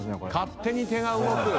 勝手に手が動く。